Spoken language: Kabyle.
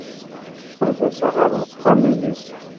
Ad d-aseɣ ɣer wexxam-nnek.